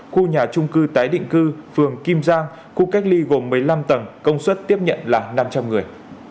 khu nhà trung cư tái định cư phường kim giang khu cách ly gồm một mươi năm tầng công suất tiếp nhận là năm trăm linh người